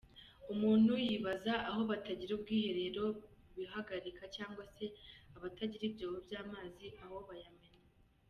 Umuntu yibaza aho abatagira ubwiherero bihagarika cyangwa se abatagira ibyobo by’amazi aho bayamena.